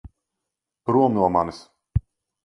Prom no manis!